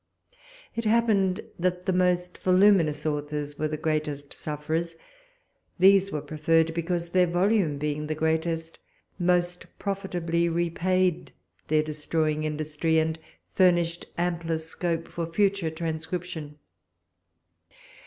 It happened that the most voluminous authors were the greatest sufferers; these were preferred, because their volume being the greatest, most profitably repaid their destroying industry, and furnished ampler scope for future transcription.